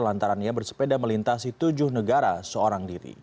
lantarannya bersepeda melintasi tujuh negara seorang diri